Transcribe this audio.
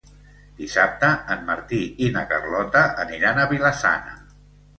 Dissabte en Martí i na Carlota aniran a Vila-sana.